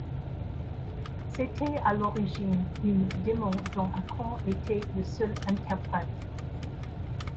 C'était à l'origine une démo dont Akon était le seul interprète.